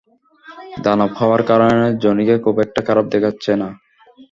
দানব হওয়ার কারণে জনিকে খুব একটা খারাপ দেখাচ্ছে না।